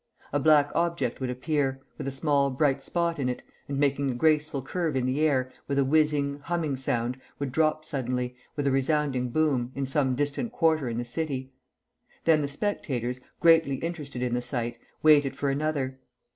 A black object would appear, with a small bright spot in it, and making a graceful curve in the air, with a whizzing, humming sound, would drop suddenly, with a resounding boom, in some distant quarter in the city. Then the spectators, greatly interested in the sight, waited for another.